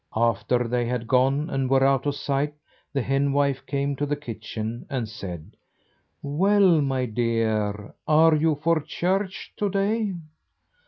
After they had gone and were out of sight, the henwife came to the kitchen and said: "Well, my dear, are you for church to day?"